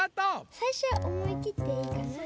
さいしょはおもいきっていいかな。